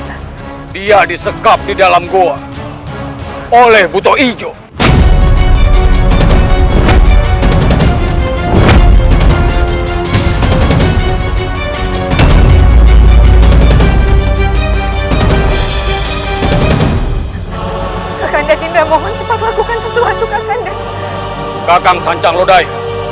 kandang indra mohon cepat lakukan sesuatu kandang kagang sanjang rodai